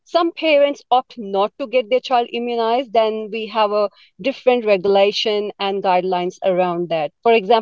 beberapa ibu berniat tidak mendapatkan imunitas anak anak maka kita memiliki regulasi dan guidelines yang berbeda